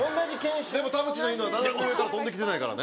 でも田渕の犬は斜め上から飛んできてないからね。